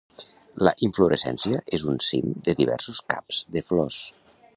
La inflorescència és un cim de diversos caps de flors.